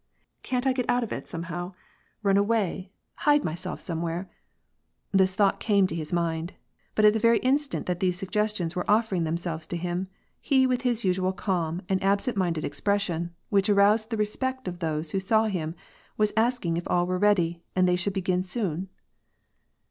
Can't I get out of it somehow, run away, S4 W^ti AND PUACE, hide myself somewhere ?" This thought came into his mind. But at the very instant that these suggestions were offering themselves to hii^ he with his usual calm, and absent minded expression — which aroused the respect of those who saw him — was asking if all were ready, and they should begin soon